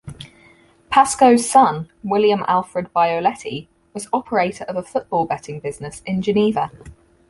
Pascoe's son, William Alfred Bioletti, was operator of a football betting business in Geneva.